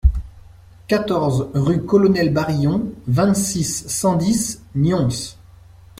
quatorze rue Colonel Barrillon, vingt-six, cent dix, Nyons